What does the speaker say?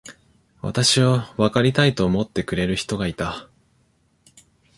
私をわかりたいと思ってくれる人がいた。